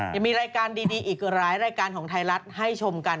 ยังมีรายการดีอีกหลายรายการของไทยรัฐให้ชมกัน